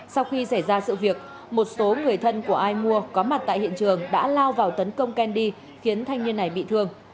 sau khi xảy ra sự việc một số người thân của ai mua có mặt tại hiện trường đã lao vào tấn công kendy khiến thanh niên này bị thương